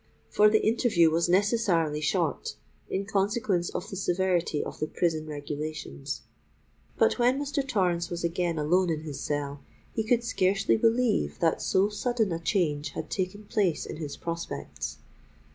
For the interview was necessarily short, in consequence of the severity of the prison regulations; but when Mr. Torrens was again alone in his cell, he could scarcely believe that so sudden a change had taken place in his prospects.